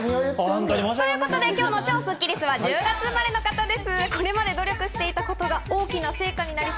今日の超スッキりすは、１０月生まれの方です。